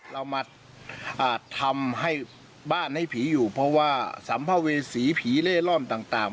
เรามาทำให้บ้านให้ผีอยู่เพราะว่าสัมภเวษีผีเล่ร่อนต่าง